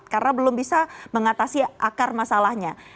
karena belum bisa mengatasi akar masalahnya